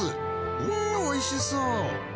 うんおいしそう。